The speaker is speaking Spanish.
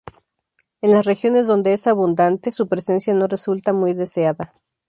En las regiones donde es abundante, su presencia no resulta muy deseada.